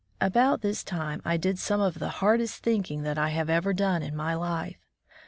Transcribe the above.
About this time I did some of the hardest thinking that I have ever done in my life.